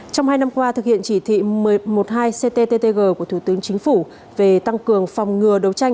trong hai năm qua thực hiện chỉ thị một trăm một mươi hai cttg của thủ tướng chính phủ về tăng cường phòng ngừa đấu tranh